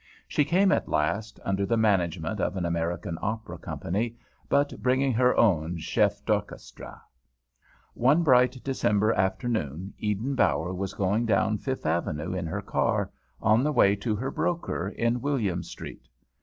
She came at last, under the management of an American Opera Company, but bringing her own chef d'orchestre. One bright December afternoon Eden Bower was going down Fifth Avenue in her car, on the way to her broker, in Williams Street.